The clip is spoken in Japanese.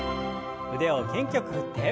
腕を元気よく振って。